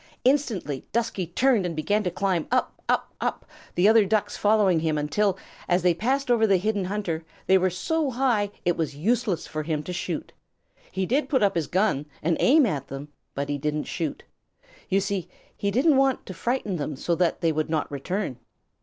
Instantly Dusky turned and began to climb up, up, up, the other Ducks following him until, as they passed over the hidden hunter, they were so high it was useless for him to shoot. He did put up his gun and aim at them, but he didn't shoot. You see, he didn't want to frighten them so that they would not return.